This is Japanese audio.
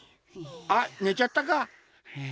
あっねちゃったか。